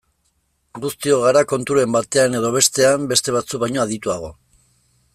Guztiok gara konturen batean edo bestean beste batzuk baino adituago.